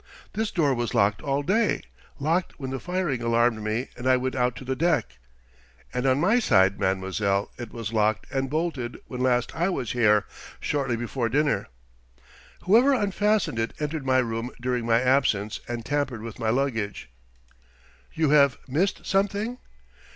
"This door was locked all day locked when the firing alarmed me and I went out to the deck." "And on my side, mademoiselle, it was locked and bolted when last I was here, shortly before dinner." "Whoever unfastened it entered my room during my absence and tampered with my luggage." "You have missed something?"